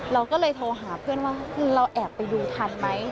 เราก็เลยโทรหาเพื่อนว่าเราแอบไปดูทันไหม